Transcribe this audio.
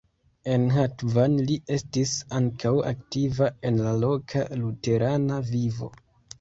En Hatvan li estis ankaŭ aktiva en la loka luterana vivo.